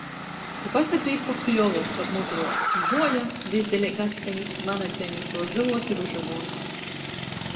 Tu pasagrīz pa pļovu, kab mudruok. Zuole, bezdeleigactenis, vanadzeni, tuos zyluos i ružovuos.